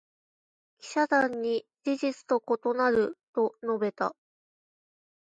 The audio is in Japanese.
記者団に「事実と異なる」と述べた。